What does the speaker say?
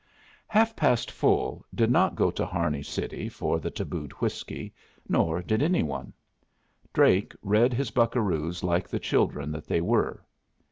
Half past Full did not go to Harney City for the tabooed whiskey, nor did any one. Drake read his buccaroos like the children that they were.